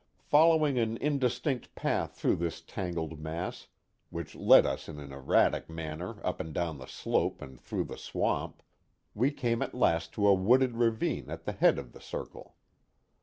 Following an indistinct path through this tangled mass, which led us in an erratic manner up and down the slope and through the swamp, we came at last to a wooded ravine at the head of the circle.